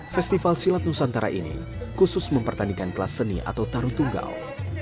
festival silat nusantara ini khusus mempertandingkan kelas seni atau taru tunggal